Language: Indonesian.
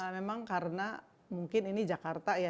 memang karena mungkin ini jakarta ya